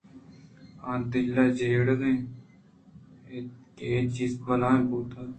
آ دل ءَ جیڑگ ءَ اِتنت کہ اےچے بلاہے بُوت